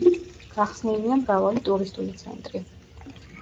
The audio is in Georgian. გახსნილია მრავალი ტურისტული ცენტრი.